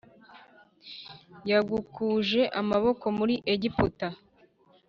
yagukuje amaboko muri Egiputa